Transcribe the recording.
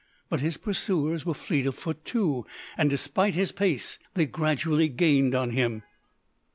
But his pursuers were fleet of foot, too, and, despite his pace, they gradually gained on him.